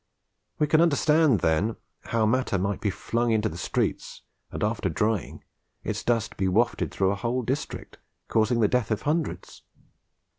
We can understand, then, how matter might be flung into the streets, and, after drying, its dust be wafted through a whole district, causing the death of hundreds.